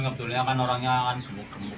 kebetulan orangnya akan gemuk gemuk